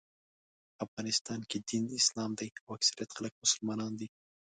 افغانستان کې دین اسلام دی او اکثریت خلک مسلمانان دي.